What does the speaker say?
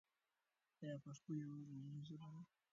آیا پښتو یوه غږیزه ژبه ده؟